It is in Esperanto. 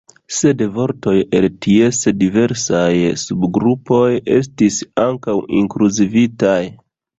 Sed vortoj el ties diversaj subgrupoj estis ankaŭ inkluzivitaj.